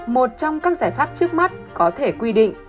một trong các giải pháp trước mắt có thể quy định